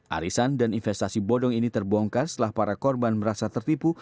arisan dan investasi bodong ini terbongkar setelah para korban merasa tertipu